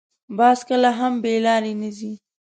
باز کله هم بې لارې نه شي